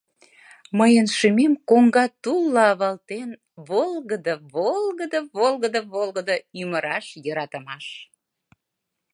Мыйын шӱмем Коҥга тулла авалтен Волгыдо, Волгыдо, Волгыдо, Волгыдо Ӱмыраш йӧратымаш.